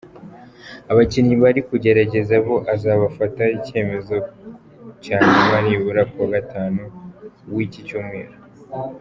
Abakinnyi bari kugerageza bo azabafataho icyemezo cya nyuma nibura kuwa gatanu w’iki cyumweru.